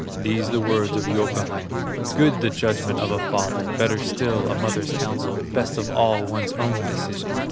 These the words of Youkahainen: "Good the judgement of a father, Better still, a mother's counsel, Best of all one's own decision.